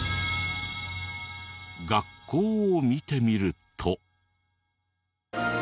学校を見てみると。